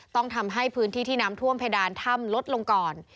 ต้องทำให้พื้นที่ที่น้ำท่วมเพดานถ้ำลดลงก่อน